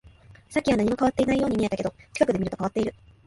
さっきは何も変わっていないように見えたけど、近くで見ると変わっている